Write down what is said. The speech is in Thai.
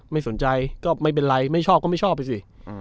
ไม่สนใจก็ไม่เป็นไรไม่ชอบก็ไม่ชอบไปสิ